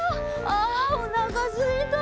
あおなかすいた。